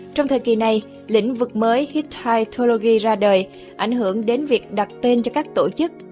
trong thời kỳ này lĩnh vực mới hittigology ra đời ảnh hưởng đến việc đặt tên cho các tổ chức